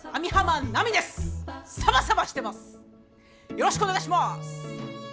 よろしくお願いします！